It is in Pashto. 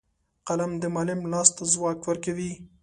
قلم د معلم لاس ته ځواک ورکوي